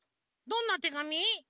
どんなてがみ？